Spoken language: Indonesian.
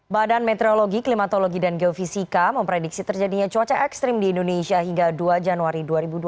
badan meteorologi klimatologi dan geofisika memprediksi terjadinya cuaca ekstrim di indonesia hingga dua januari dua ribu dua puluh